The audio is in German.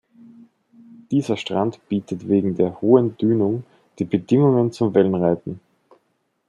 Dieser Strand bietet wegen der hohen Dünung die Bedingungen zum Wellenreiten.